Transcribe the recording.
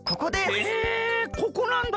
へえここなんだ。